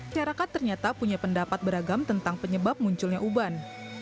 syarakat ternyata punya pendapat beragam tentang penyebab munculnya uban